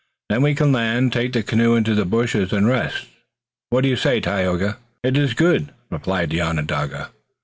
"Then we can land, take the canoe into the bushes and rest. What do you say, Tayoga?" "It is good," replied the Onondaga.